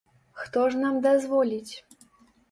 Хто ж нам дазволіць?